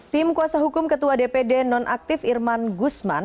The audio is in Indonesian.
tim kuasa hukum ketua dpd non aktif irman gusman